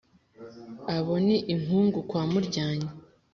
abo ni inkungu kwa muryanyi